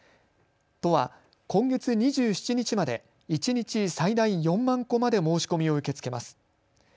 都は今月２７日まで一日最大４万個まで申し込みを受け付けます。